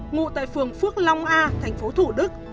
ngụ tại phường phước long a tp thủ đức